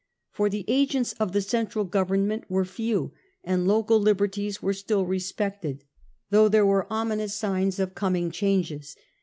For the agents of the central government were few, and local liberties were still respected, though there were ominous signs of coming changes.